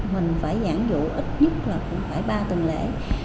mình phải giãn dụ ít nhất là cũng phải ba tuần lễ